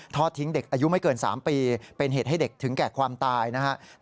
ทิ้งเด็กอายุไม่เกิน๓ปีเป็นเหตุให้เด็กถึงแก่ความตายนะครับ